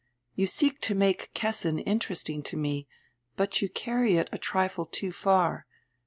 You seek to make Kessin interesting to me, but you carry it a trifle too far.